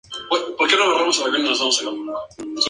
Las ratas, una vez en tierra, produjeron camadas normales.